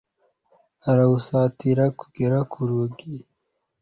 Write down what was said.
arawusatira kugera ku rugi